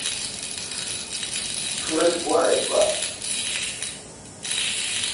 تو رل گوا اعتبار۔